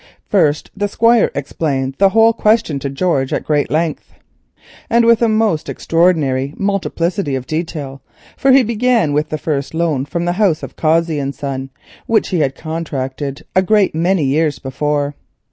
First the Squire explained the whole question to George at great length, and with a most extraordinary multiplicity of detail, for he began at his first loan from the house of Cossey and Son, which he had contracted a great many years before.